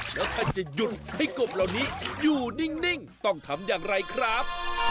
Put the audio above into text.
แล้วถ้าจะหยุดให้กบเหล่านี้อยู่นิ่งต้องทำอย่างไรครับ